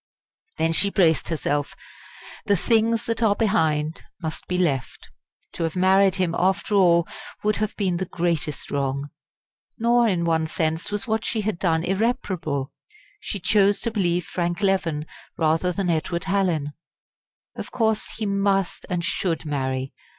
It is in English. Then she braced herself. The "things that are behind" must be left. To have married him after all would have been the greatest wrong. Nor, in one sense, was what she had done irreparable. She chose to believe Frank Leven, rather than Edward Hallin. Of course he must and should marry!